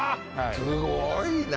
すごいな。